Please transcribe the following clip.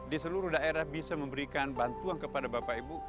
di seluruh daerah bisa memberikan bantuan kepada bapak ibu